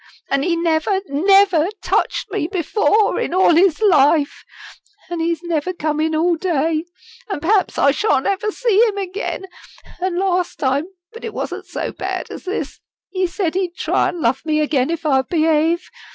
An' he never, never, touched me before in all his life. An' he's never come in all day. An' perhaps I shan't ever see him again. An' last time but it wasn't so bad as this he said he'd try an' love me again if I'd behave.